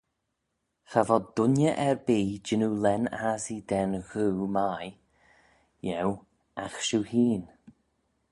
Cha vod dooinney erbee jannoo lane assee da'n ghoo mie eu agh shiu hene.